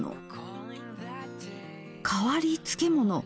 「変わり漬物」